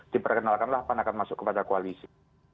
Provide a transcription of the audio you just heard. diperkenalkanlah pada ketemuan ke koalisi